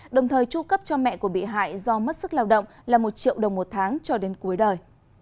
đồng thời tru cấp cho mẹ của bị hại do mất sức lao động là một triệu đồng một tháng cho đến cuối đời